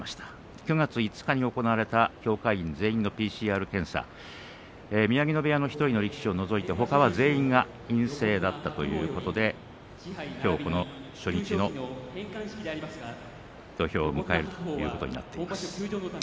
９月５日に行われた協会員全員のＰＣＲ検査宮城野部屋の１人の力士を除いてほかは全員陰性だったということできょうこの初日の土俵を迎えるということになっています。